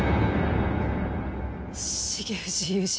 重藤雄二。